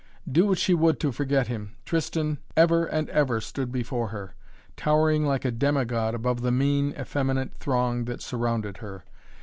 Do what she would to forget him, Tristan ever and ever stood before her, towering like a demigod above the mean, effeminate throng that surrounded her.